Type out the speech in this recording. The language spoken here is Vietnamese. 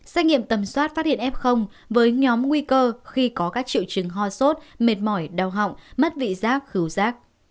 xác nghiệm tầm soát phát hiện f với nhóm nguy cơ khi có các triệu chứng ho sốt mệt mỏi đau họng mất vị giác khứu giác